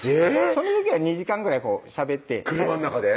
その時は２時間ぐらいしゃべって車の中で？